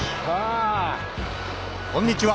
こんにちは！